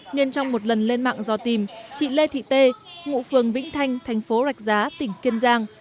nên trong một lần lên mạng do tìm chị lê thị tê ngụ phường vĩnh thanh thành phố rạch giá tỉnh kiên giang